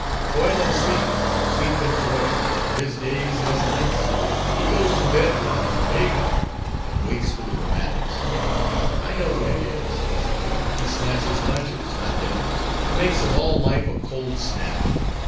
—Toil and sleep—sleep and toil, are his days and his nights; he goes to bed with a lumbago, and wakes with the rheumatics;—I know what it is;—he snatches lunches, not dinners, and makes of all life a cold snack!